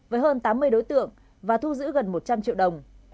với hơn tám mươi đối tượng và thu giữ gần một trăm linh triệu đồng